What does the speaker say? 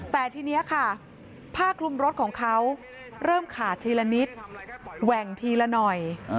แต่ทีนี้ค่ะผ้าคลุมรถของเขาเริ่มขาดทีละนิดแหว่งทีละหน่อย